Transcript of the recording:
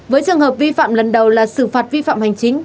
với trường hợp vi phạm lần đầu là xử phạt vi phạm hành chính